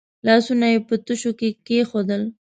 لاسونه یې په تشو کې کېښودل.